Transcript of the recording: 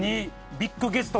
ビッグゲスト？